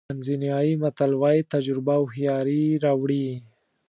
تانزانیایي متل وایي تجربه هوښیاري راوړي.